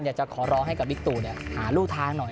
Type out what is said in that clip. อยากจะขอร้องให้กับบิ๊กตู่หาลูกทางหน่อย